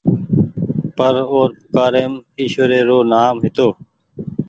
پر اور پوڪآريم ايشوري رو نآم هيتو۔